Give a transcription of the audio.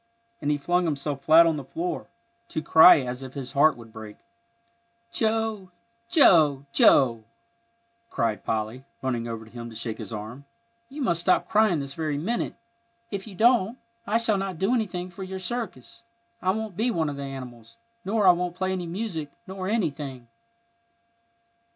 and he flung himself flat on the floor, to cry as if his heart would break. "Joe, Joe," cried Polly, running over to him to shake his arm, "you must stop crying this very minute. If you don't, I shall not do anything for your circus. I won't be one of the animals, nor I won't play any music, nor anything."